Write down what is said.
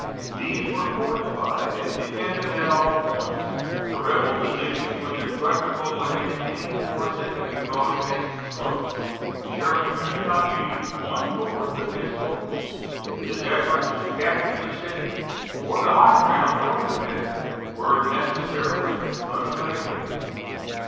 These were fortified and defended at all points. The rebel position was impregnable against any force that could be brought against its front. Sherman could not use one fourth of his force. His efforts to capture the city, or the high ground north of it, were necessarily unavailing.